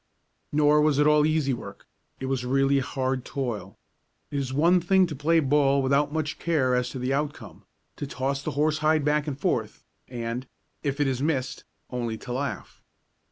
Nor was it all easy work, it was really hard toil. It is one thing to play ball without much care as to the outcome, to toss the horsehide back and forth, and, if it is missed, only to laugh.